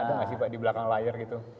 ada nggak sih pak di belakang layar gitu